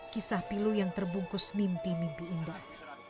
kisah pilu yang terbungkus mimpi mimpi indah